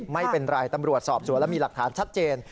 ไม่เป็นไรตำรวจสอบสวนแล้วมีหลักฐานชัดเจน